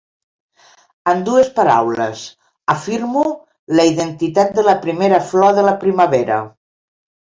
En dues paraules, afirmo la identitat de la primera flor de la primavera.